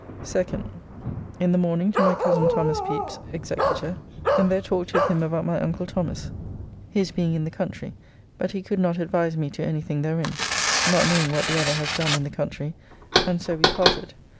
2nd. In the morning to my cozen Thos. Pepys, executor, and there talked with him about my uncle Thomas, his being in the country, but he could not advise me to anything therein, not knowing what the other has done in the country, and so we parted.